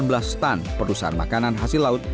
mereka juga menjelaskan perusahaan makanan hasil laut